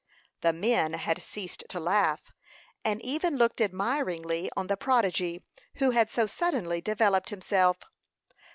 The men had ceased to laugh, and even looked admiringly on the prodigy who had so suddenly developed himself.